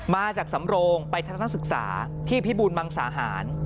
มาจากสำโรงไปทัศนศึกษาที่พิบูรมังสาหาร